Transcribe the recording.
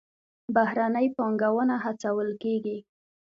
بهرنۍ پانګونه هڅول کیږي